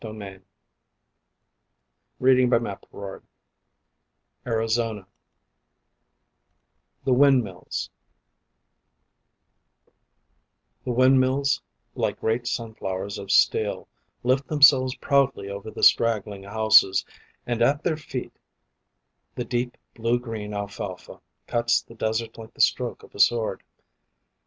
JOHN GOULD FLETCHER ARIZONA THE WINDMILLS The windmills, like great sunflowers of steel, Lift themselves proudly over the straggling houses; And at their feet the deep blue green alfalfa Cuts the desert like the stroke of a sword.